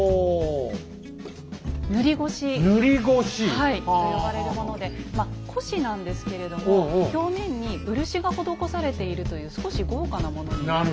はいと呼ばれるものでまあ輿なんですけれども表面に漆が施されているという少し豪華なものになるんですね。